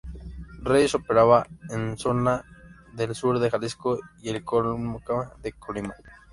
Reyes operaba en la zona del sur de Jalisco y el volcán de Colima.